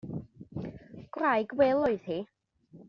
Gwraig Wil oedd hi.